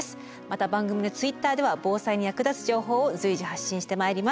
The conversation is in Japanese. また番組のツイッターでは防災に役立つ情報を随時発信してまいります。